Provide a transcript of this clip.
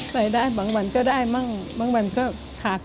ใส่ได้บางวันก็ได้มั่งบางวันก็ถัด